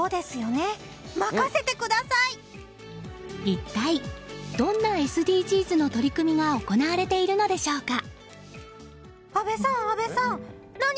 一体どんなＳＤＧｓの取り組みが行われているのでしょうか。